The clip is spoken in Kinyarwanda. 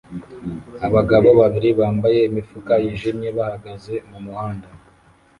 Abagabo babiri bambaye imifuka yijimye bahagaze mumuhanda